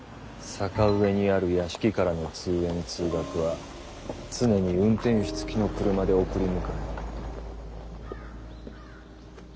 坂上にある屋敷からの通園通学は常に運転手つきの車で送り迎え。